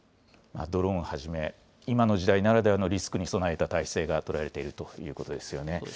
ドローンをはじめ、今の時代ならではのリスクに備えた態勢が取られているということですよね。